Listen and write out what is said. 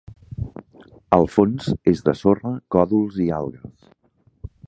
El fons és de sorra, còdols i algues.